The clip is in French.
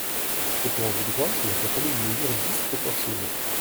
Au plan du droit, cela s’appelle une mesure disproportionnée.